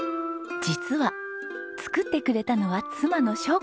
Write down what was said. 実は作ってくれたのは妻の晶子さん。